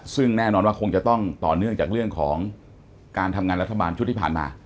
ซึ่งแน่นอนว่าคงจะต้องต่อเนื่องจากเรื่องของการทำงานรัฐบาลชุดที่ผ่านมา